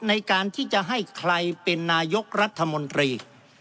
ในการที่จะให้ใครเป็นนายกรัฐมนตรี